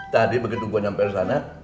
tadi begitu gue nyampe ke sana